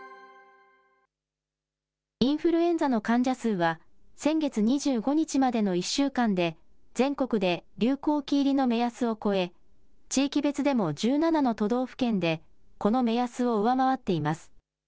インフルエンザの患者数は、先月２５日までの１週間で全国で流行期入りの目安を超え、地域別でも１７の都道府県でこの目安を上回っています。